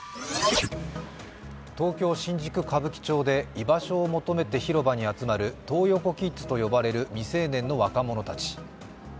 東京・新宿歌舞伎町で居場所を求めて広場に集まるトー横キッズと呼ばれる未成年の若者たち。